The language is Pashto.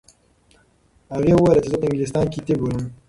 هغې وویل چې زه په انګلستان کې طب لولم.